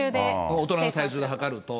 大人の体重で量ると。